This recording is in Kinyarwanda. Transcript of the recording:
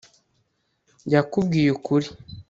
yakubwiye ukuri